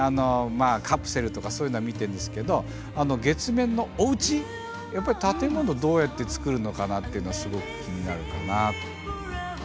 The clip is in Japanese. カプセルとかそういうのは見てるんですけど月面のおうちやっぱり建物をどうやって造るのかなっていうのはすごく気になるかな。